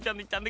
aduh aduh karin